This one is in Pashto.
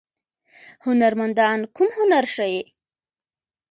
هنرمندان کوم هنر ښيي؟